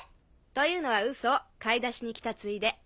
というのはウソ買い出しに来たついで。